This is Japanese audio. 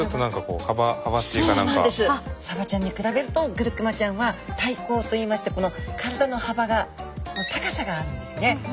サバちゃんに比べるとグルクマちゃんは体高といいましてこの体の幅が高さがあるんですね。